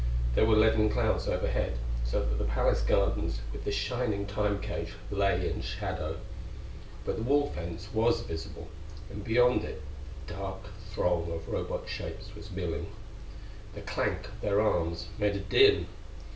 There were leaden clouds overhead so that the palace gardens with the shining Time cage lay in shadow. But the wall fence was visible, and beyond it the dark throng of Robot shapes was milling. The clank of their arms made a din.